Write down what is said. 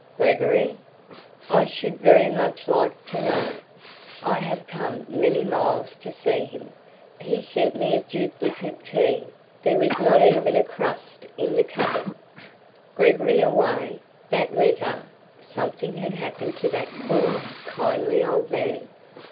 "Gregory? I should very much like to know. I have come many miles to see him. He sent me a duplicate key. There was not even a crust in the cupboard." Gregory away? That letter! Something had happened to that poor, kindly old man.